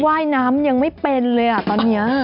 ว่ายน้ำยังไม่เป็นเลยอ่ะตอนนี้